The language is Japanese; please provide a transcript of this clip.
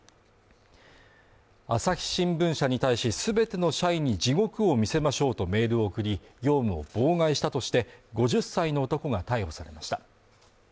朝日新聞社に対し全ての社員に地獄を見せましょうとメールを送り、業務を妨害したとして５０歳の男が逮捕されました。